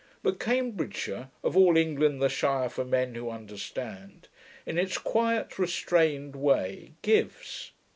But Cambridgeshire, 'of all England the shire for men who understand,' in its quiet, restrained way gives.